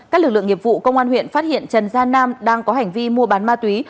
các lực lượng nghiệp vụ công an huyện phát hiện trần gia nam đang có hành vi mua bán ma túy